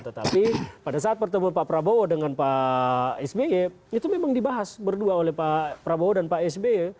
tetapi pada saat pertemuan pak prabowo dengan pak sby itu memang dibahas berdua oleh pak prabowo dan pak sby